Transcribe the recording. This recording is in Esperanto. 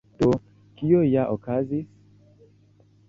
Do, kio ja okazis?